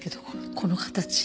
この形。